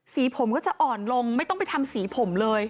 สีผมก็จะอ่อนลงไม่ต้องไปทำสีผมเลย